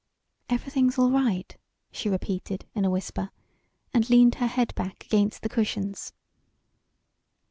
"Everything's all right," she repeated, in a whisper, and leaned her head back against the cushions.